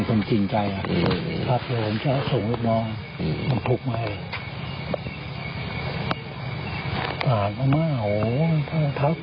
ค่ะของเท้าขนาดนี้และก็ขนาด